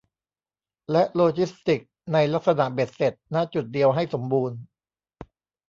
และโลจิสติกส์ในลักษณะเบ็ดเสร็จ ณ จุดเดียวให้สมบูรณ์